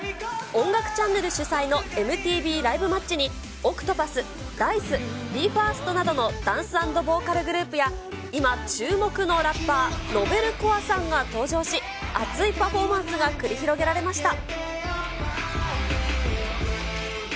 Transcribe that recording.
音楽チャンネル主催のＭＴＶ・ライブ・マッチにオクトパス、ダイス、ＢＥ：ＦＩＲＳＴなどのダンス＆ボーカルグループや、今、注目のラッパー、ＮｏｖｅｌＣｏｒｅさんが登場し、熱いパフォーマンスが繰り広げられました。